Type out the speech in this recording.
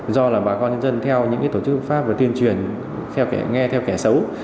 do là bà con dân theo những tổ chức pháp và tuyên truyền nghe theo kẻ xấu